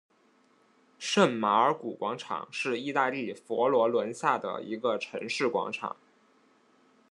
圣马尔谷广场是意大利佛罗伦萨的一个城市广场。